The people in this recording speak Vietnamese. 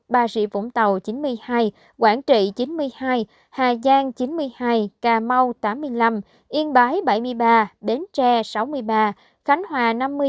ba sĩ vũng tàu chín mươi hai quảng trị chín mươi hai hà giang chín mươi hai cà mau tám mươi năm yên bái bảy mươi ba đến tre sáu mươi ba khánh hòa năm mươi chín